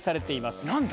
何だ？